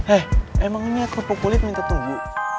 eh emang ini aku kepukulit minta tunggu